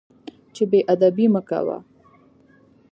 چې بې ادبي مه کوه.